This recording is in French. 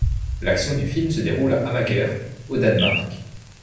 L'action du film se déroule à Amager, au Danemark.